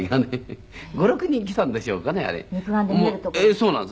そうなんですよ。